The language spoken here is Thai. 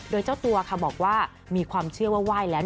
โดยเจ้าตัวค่ะบอกว่ามีความเชื่อว่าไหว้แล้ว